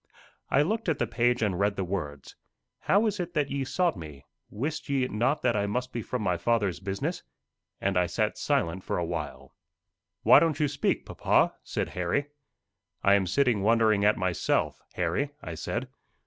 I looked at the page and read the words, "How is it that ye sought me? wist ye not that I must be about my Father's business?" And I sat silent for a while. "Why don't you speak, papa?" said Harry. "I am sitting wondering at myself, Harry," I said.